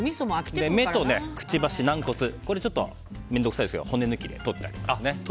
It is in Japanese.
目と、くちばし、軟骨は面倒くさいですけど骨抜きで取っておきます。